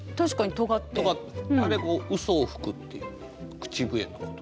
あれうそを吹くっていう口笛のこと。